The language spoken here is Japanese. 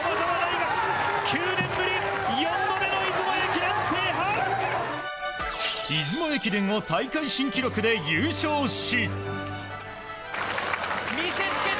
出雲駅伝を大会新記録で優勝し。